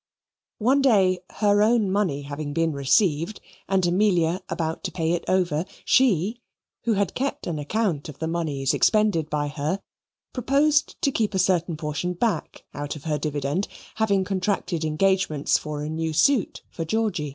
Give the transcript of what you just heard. One day, her own money having been received, and Amelia about to pay it over, she, who had kept an account of the moneys expended by her, proposed to keep a certain portion back out of her dividend, having contracted engagements for a new suit for Georgy.